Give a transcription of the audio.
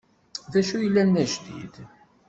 Dacu i yellan d ajdid?